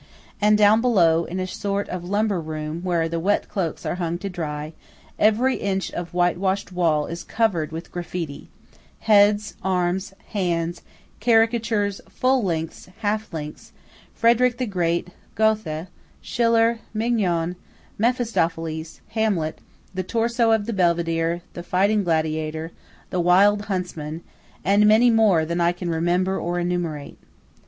And down below, in a sort of lumber room where the wet cloaks are hung to dry, every inch of white washed wall is covered with graffiti–heads, arms, hands, caricatures, full lengths, half lengths, Frederic the Great, Goethe, Schiller, Mignon, Mephistopheles, Hamlet, the Torso of the Belvedere, the Fighting Gladiator, the Wild Huntsman, and many more than I can remember or enumerate.